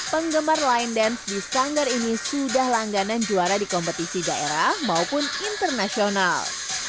penggemar line dance di sanggar ini sudah langganan juara di kompetisi daerah maupun internasional